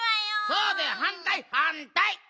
そうだよはんたいはんたい！